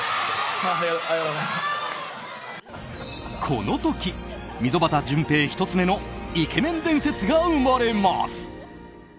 この時、溝端淳平１つ目のイケメン伝説が生まれます。